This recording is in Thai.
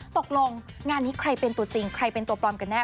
ตกลงงานนี้ใครเป็นตัวจริงใครเป็นตัวปลอมกันแน